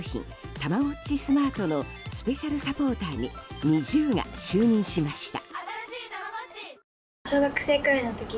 たまごっちスマートのスペシャルサポーターにＮｉｚｉＵが就任しました。